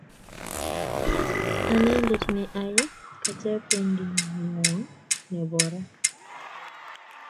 Anendet ne ai kachapindengwong nebo ra